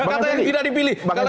kata yang tidak dipilih